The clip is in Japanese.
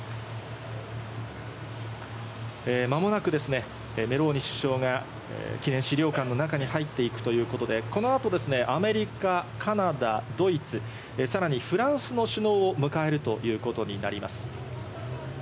間もなくメローニ首相が記念資料館の中に入っていくということで、この後、アメリカ、カナダ、ドイツ、さらにフランスの首脳を迎えるということになります。